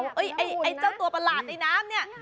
ไอ้เจ้าตัวประหลาดในน้ำเนี่ย